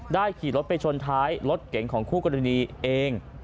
ขี่รถไปชนท้ายรถเก๋งของคู่กรณีเอง